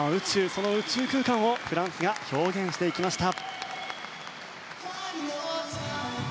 その宇宙空間をフランスが表現していきました。